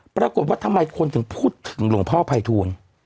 ปรากฏว่าทำไมคนถึงพูดถึงหลวงพ่อภัยทูล